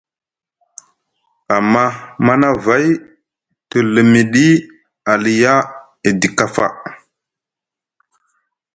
Amma Manavay te limiɗi aliya edi kafa.